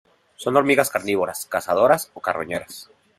Son hormigas carnívoras, cazadoras o carroñeras.